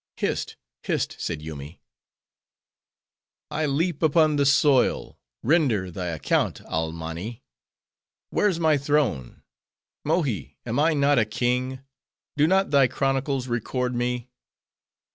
"Hist, hist," said Yoomy. "I leap upon the soil! Render thy account, Almanni! Where's my throne? Mohi, am I not a king? Do not thy chronicles record me?